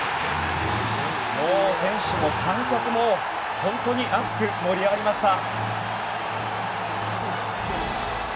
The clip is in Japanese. もう選手も観客も本当に熱く盛り上がりました！